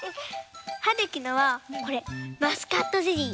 はるきのはこれマスカットゼリー。